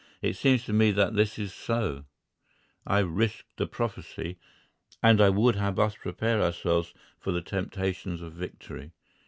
It seems to me that this is so—I risk the prophecy, and I would have us prepare ourselves for the temptations of victory.